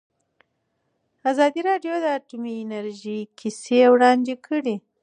ازادي راډیو د اټومي انرژي کیسې وړاندې کړي.